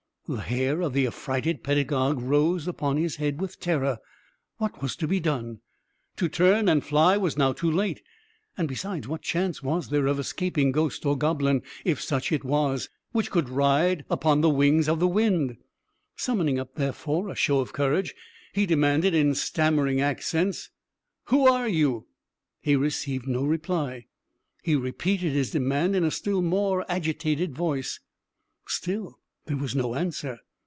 The hair of the affrighted pedagogue rose upon his head with terror. What was to be done? To turn and fly was now too late; and besides, what chance was there of escaping ghost or goblin, if such it was, which could ride upon the wings of the wind? Summoning up, therefore, a show of courage, he demanded in stammering accents "Who are you?" He received no reply. He repeated his demand in a still more agitated voice. Still there was no answer.